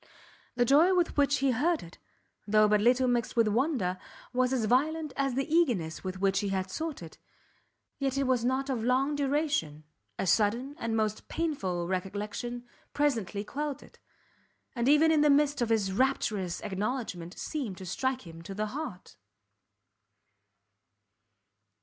The joy with which he heard it, though but little mixed with wonder, was as violent as the eagerness with which he had sought it; yet it was not of long duration, a sudden, and most painful recollection presently quelled it, and even in the midst of his rapturous acknowledgment, seemed to strike him to the heart.